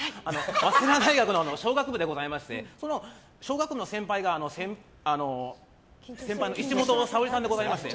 早稲田大学の商学部でございまして商学部の先輩があの、石本沙織さんでして。